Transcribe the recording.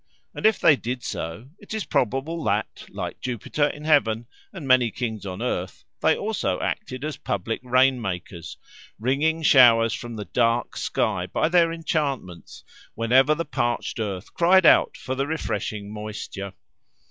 And if they did so, it is probable that, like Jupiter in heaven and many kings on earth, they also acted as public rain makers, wringing showers from the dark sky by their enchantments whenever the parched earth cried out for the refreshing moisture.